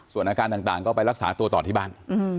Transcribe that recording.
ส่วนอาการต่างก็ไปรักษาตัวต่อที่บ้าน